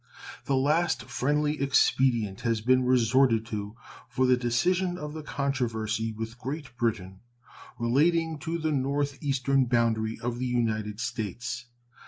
The last friendly expedient has been resorted to for the decision of the controversy with Great Britain relating to the north eastern boundary of the United States.